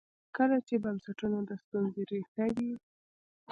کله چې بنسټونه د ستونزې ریښه وي.